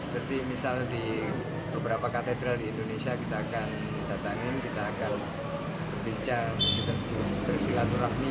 seperti misalnya di beberapa katedral di indonesia kita akan datangin kita akan berbincang sekaligus bersilaturahmi